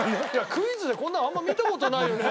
クイズでこんなのあんま見た事ないよね？